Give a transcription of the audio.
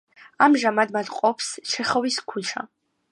ამჟამად მათ ყოფს ჩეხოვის ქუჩა.